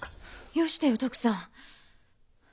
よしてよ徳さん。